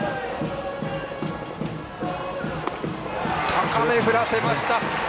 高め振らせました。